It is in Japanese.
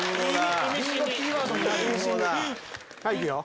はいいくよ